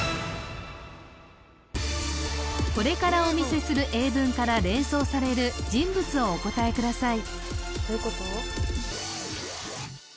これからお見せする英文から連想される人物をお答えください